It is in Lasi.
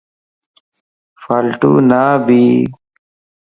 فالٽو نه ٻي